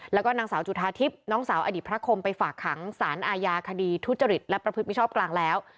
แล้วก็นางสาวจุธาทิพย์น้องสาวอดีตพระคมไปฝากขังสารอาญาคดีทุจริตและประพฤติมิชอบกลางแล้ว